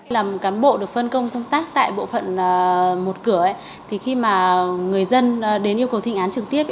làm cán bộ được phân công công tác tại bộ phận một cửa khi mà người dân đến yêu cầu thi hành án trực tiếp